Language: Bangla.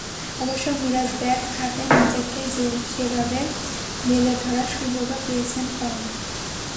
অবশ্য মিরাজ ব্যাট হাতে নিজেকে সেভাবে মেলে ধরার সুযোগও পেয়েছেন কম।